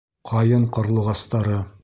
ҠАЙЫН ҠАРЛУҒАСТАРЫ